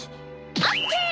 オッケー！